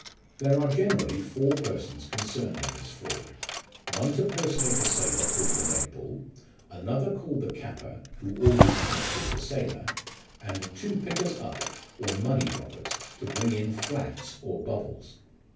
There are generally four persons concerned in this fraud, one to per sonate a sailor called a leggbull, another called the capper, who always keeps with the sailor ; and two pickers up, or money droppers, to bring in flats or bubbles.